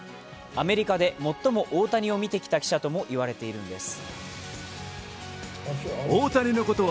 アメリカで最も大谷を見てきた記者ともいわれているんです。